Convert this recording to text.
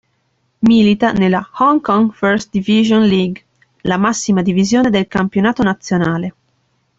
Milita nella Hong Kong First Division League, la massima divisione del campionato nazionale.